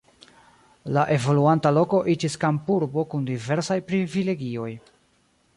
La evoluanta loko iĝis kampurbo kun diversaj privilegioj.